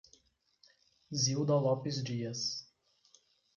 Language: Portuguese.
Zilda Lopes Dias